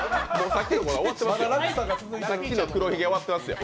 さっきの黒ひげ終わってますよ。